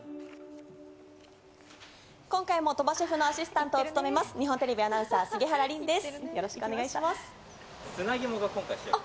今回も鳥羽シェフのアシスタントを務めます、日本テレビアナウンサーの杉原凜です。